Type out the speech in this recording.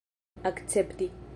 akcepti